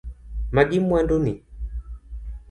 Magi mwandu ni.